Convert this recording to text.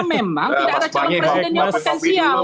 memang tidak ada calon presiden yang potensial